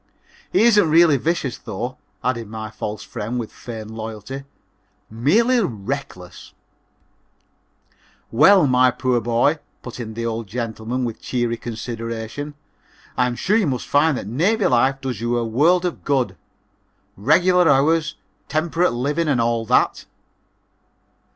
"He isn't really vicious, though," added my false friend with feigned loyalty "merely reckless." "Well, my poor boy," put in the old gentleman with cheery consideration, "I am sure you must find that navy life does you a world of good regular hours, temperate living and all that."